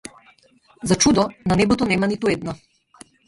За чудо, на небото нема ниту една.